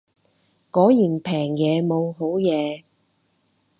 果然平嘢冇好嘢